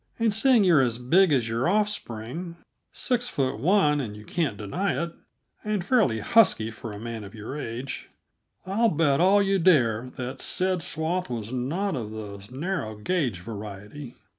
And, seeing you're as big as your offspring six foot one, and you can't deny it and fairly husky for a man of your age, I'll bet all you dare that said swath was not of the narrow gage variety.